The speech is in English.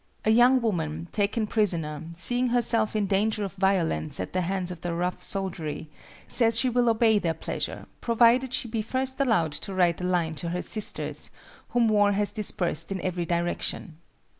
A young woman, taken prisoner, seeing herself in danger of violence at the hands of the rough soldiery, says she will obey their pleasure, provided she be first allowed to write a line to her sisters, whom war has dispersed in every direction.